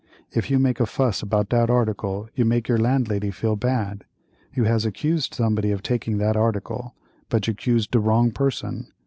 If you make a fuss about dat article you make your landlady feel bad. You has accused somebody of taking that article, but you 'cused de wrong person.